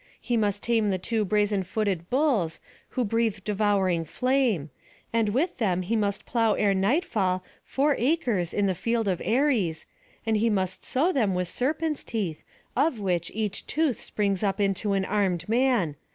He must tame the two brazen footed bulls, who breathe devouring flame; and with them he must plough ere nightfall four acres in the field of Ares; and he must sow them with serpents' teeth, of which each tooth springs up into an armed man.